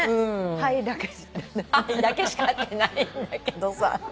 「ハイ」だけしか合ってないんだけどさ。